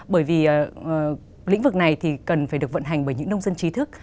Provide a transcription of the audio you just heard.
bởi vì lĩnh vực này thì cần phải được vận hành bởi những nông dân trí thức